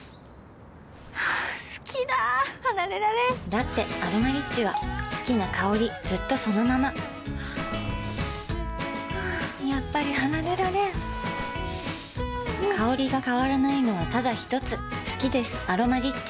好きだ離れられんだって「アロマリッチ」は好きな香りずっとそのままやっぱり離れられん香りが変わらないのはただひとつ好きです「アロマリッチ」